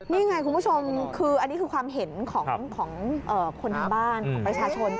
นี่ไงคุณผู้ชมคืออันนี้คือความเห็นของคนทางบ้านของประชาชน